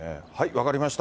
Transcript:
分かりました。